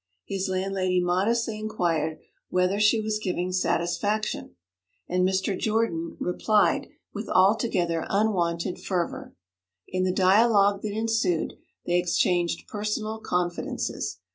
His landlady modestly inquired whether she was giving satisfaction, and Mr. Jordan replied with altogether unwonted fervour. In the dialogue that ensued, they exchanged personal confidences.